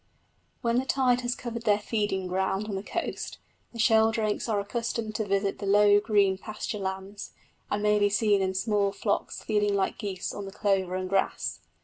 When the tide has covered their feeding ground on the coast, the sheldrakes are accustomed to visit the low green pasture lands, and may be seen in small flocks feeding like geese on the clover and grass.